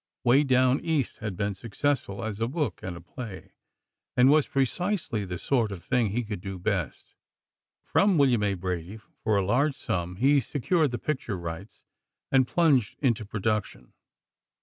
"Way Down East" had been successful as a book and a play, and was precisely the sort of thing he could do best. From William A. Brady, for a large sum, he secured the picture rights, and plunged into production.